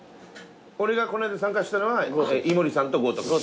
俺がこの間参加したのは井森さんと豪徳寺。